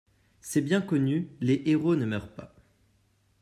C’est bien connu, les héros ne meurent pas.